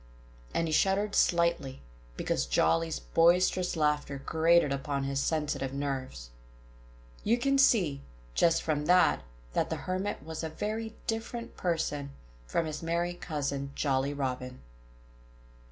And he shuddered slightly, because Jolly's boisterous laughter grated upon his sensitive nerves. You can see, just from that, that the Hermit was a very different person from his merry cousin, Jolly Robin.